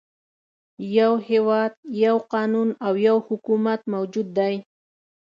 يو هېواد، یو قانون او یو حکومت موجود دی.